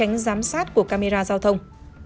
giám sát của camera giao thông